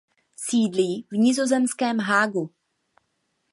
Sídlí v nizozemském Haagu.